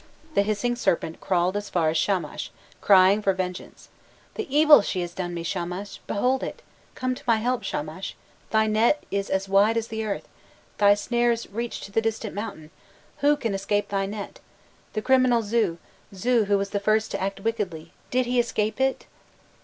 The hissing serpent crawled as far as Shamash, crying for vengeance: "The evil she has done me, Shamash behold it! Come to my help, Shamash! thy net is as wide as the earth thy snares reach to the distant mountain who can escape thy net? The criminal Zu, Zu who was the first to act wickedly, did he escape it?"